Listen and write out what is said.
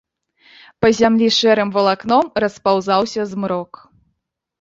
Па зямлі шэрым валакном распаўзаўся змрок.